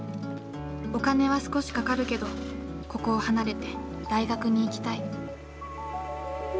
お金は少しかかるけどここを離れて大学に行きたい。